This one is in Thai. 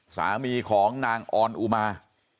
สามีของนางออนอุมา